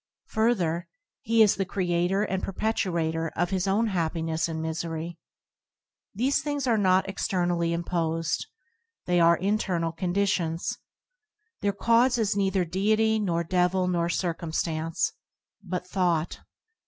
Further, he is the creator and perpetuator of his own happiness and misery. These things are not externally im posed; they are internal conditions. Their cause is neither deity, nor devil, nor circum stance, but thought.